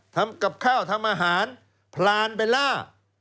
ทำกับข้าวทำอาหารพลานเบลล่า